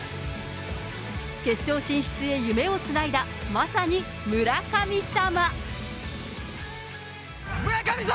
決勝進出へ夢をつないだ、まさに村神様。